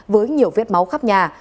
với nhiều vết máu khắp nhà